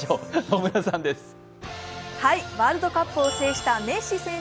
ワールドカップを制したメッシ選手